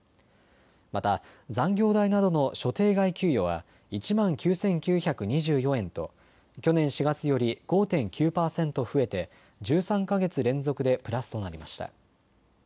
また残業代などの所定外給与は１万９９２４円と去年４月より５．９％増えて１３か月連続でプラスとなりました。